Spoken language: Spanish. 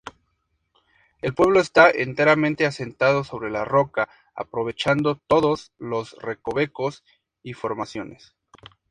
El pueblo está enteramente asentado sobre la roca, aprovechando todos los recovecos y formaciones.